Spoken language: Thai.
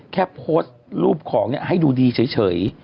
แค่โพสต์รูปของให้ดูดีเฉย